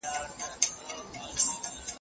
لاسي کارونه د ځان بساینې لاره ده.